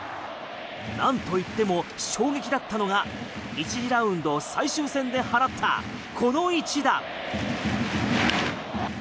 なんといっても衝撃だったのが１次ラウンド最終戦で放ったこの一打。